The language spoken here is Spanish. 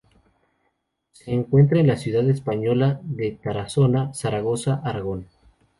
Se encuentra en la ciudad española de Tarazona, Zaragoza, Aragón.